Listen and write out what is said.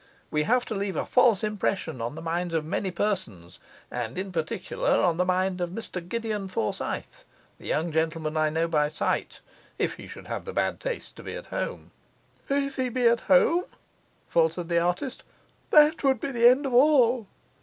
We have to leave a false impression on the minds of many persons, and in particular on the mind of Mr Gideon Forsyth the young gentleman I know by sight if he should have the bad taste to be at home.' 'If he be at home?' faltered the artist. 'That would be the end of all.